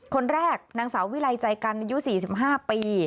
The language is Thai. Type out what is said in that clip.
คนแรกนางสาววิลัยใจกันอายุ๔๕ปี